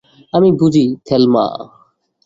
আমি বুঝি, থেলমা।